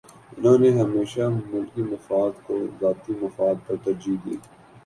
انہوں نے ہمیشہ ملکی مفاد کو ذاتی مفاد پر ترجیح دی